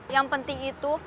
yang penting itu